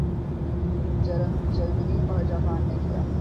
جرمنی اور جاپان نے کیا